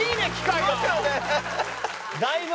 だいぶ。